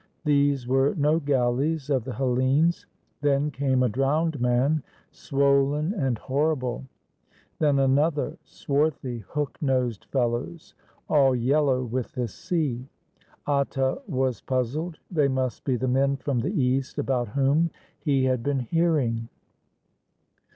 These were no galleys of the Hellenes. Then came a drowned man, swollen and horrible; then another — swarthy, hook nosed fellows, all yellow with the sea. Atta was puzzled. They must be the men from the east about whom he had been hearing.